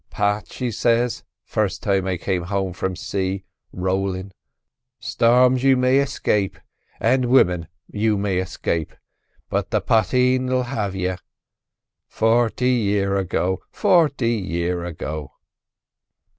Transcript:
'Pat,' she says, first time I come home from say rowlin', 'storms you may escape, an' wimmen you may escape, but the potheen 'ill have you.' Forty year ago—forty year ago!"